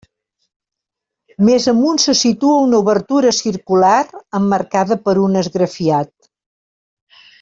Més amunt se situa una obertura circular emmarcada per un esgrafiat.